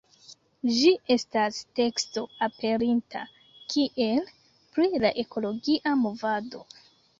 Ĝi estas teksto aperinta kiel “Pri la ekologia movado.